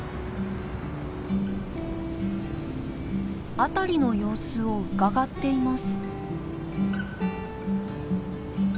辺りの様子をうかがっています。